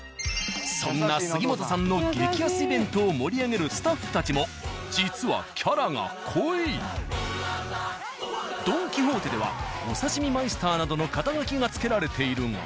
そんな杉本さんの激安イベントを盛り上げる「ドン・キホーテ」ではお刺身マイスターなどの肩書が付けられているが。